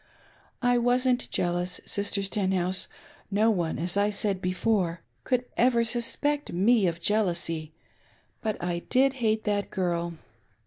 I wasn't jealous, Sister Stenhouse ; no one — as I said before — could ever suspect me of jealousy, but I did hate that girl.